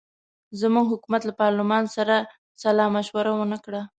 زموږ حکومت له پارلمان سره سلامشوره ونه کړه.